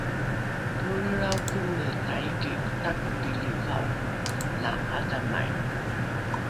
poelrelrao kone taiki takopili va’oro la ’adhamai